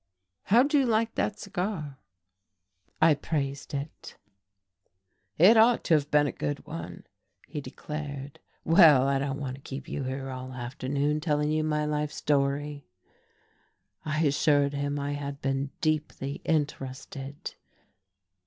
How'd you like that cigar?" I praised it. "It ought to have been a good one," he declared. "Well, I don't want to keep you here all afternoon telling you my life story." I assured him I had been deeply interested.